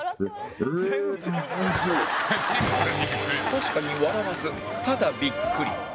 確かに笑わずただビックリ